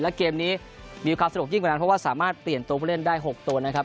และเกมนี้มีความสะดวกยิ่งกว่านั้นเพราะว่าสามารถเปลี่ยนตัวผู้เล่นได้๖ตัวนะครับ